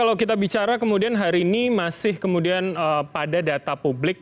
bagaimana cara kemudian hari ini masih kemudian pada data publik